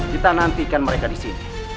kita nantikan mereka disini